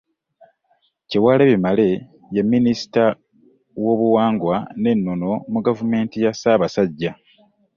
Kyewalabye Male, ye minisita w'obuwangwa n'ennono mu gavumenti ya ssaabasajja.